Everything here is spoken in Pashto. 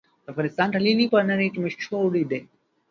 د افغانستان قالینې په نړۍ کې مشهورې دي.